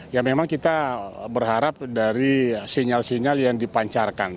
ya memang kita berharap dari sinyal sinyal yang dipancarkan